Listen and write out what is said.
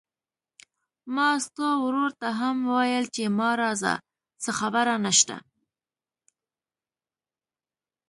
ما ستا ورور ته هم وويل چې ما راځه، څه خبره نشته.